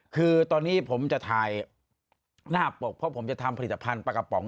คือตอนนี้ผมจะถ่ายแพร้อมเจ้าพ่อผมจะทำผลิตพันธุ์ปากกับปอง